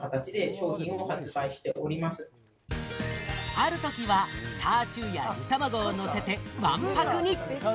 ある時はチャーシューや煮たまごをのせて、わんぱくに。